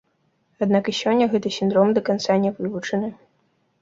Аднак і сёння гэты сіндром да канца не вывучаны.